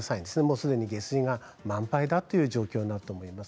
すでに下水が満杯だという状況だと思います。